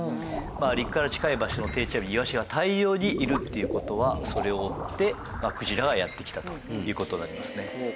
陸から近い場所の定置網にイワシが大量にいるっていう事はそれを追ってクジラがやって来たという事になりますね。